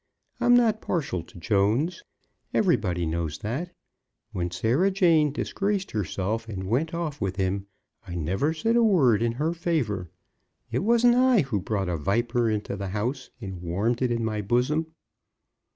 I'm not partial to Jones. Everybody knows that. When Sarah Jane disgraced herself, and went off with him, I never said a word in her favour. It wasn't I who brought a viper into the house and warmed it in my bosom."